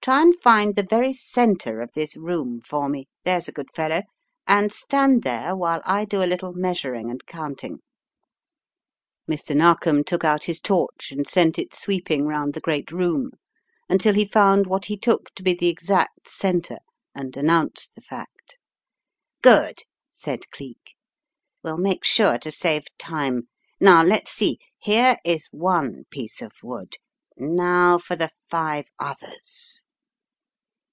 Try and find the very centre of this room for me, there's a good fellow, and stand there while I do a little measuring and counting." Mr. Narkom took out his torch and sent it sweep ing round the great room, until he found what he took to be the exact centre and announced the fact. "Good!" said Cleek. "We'll make sure to save time. Now, let's see; here is one piece of wood. Now for the five others."